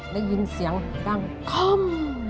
ได้ยินเสียงดังค่อม